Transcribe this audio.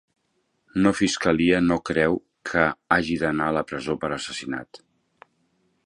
No fiscalia no creu que hagi d'anar a la presó per assassinat.